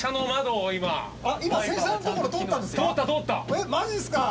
えっマジですか！